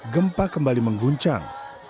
gempa kembali mengguncang